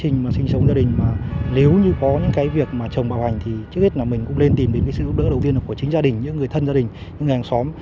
nếu như có những việc mà chồng bạo hành thì trước hết là mình cũng nên tìm đến sự giúp đỡ đầu tiên là của chính gia đình những người thân gia đình những hàng xóm